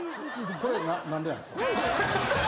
「これ何でなんですか？」